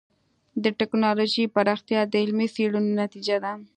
د ټکنالوجۍ پراختیا د علمي څېړنو نتیجه ده.